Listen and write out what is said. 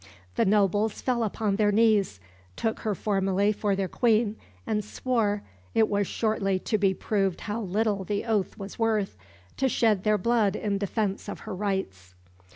The nobles fell upon their knees, took her formally for their Queen, and swore it was shortly to be proved how little the oath was worth to shed their blood in defence of her rights.